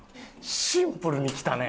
シンプルにきたね。